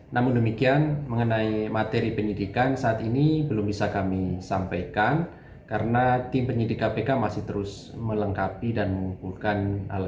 namun demikian mengenai materi penyidikan saat ini belum bisa kami sampaikan karena tim penyidik kpk masih terus melengkapi dan mengumpulkan